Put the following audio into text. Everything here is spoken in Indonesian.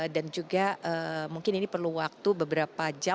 dan juga mungkin ini perlu waktu beberapa jam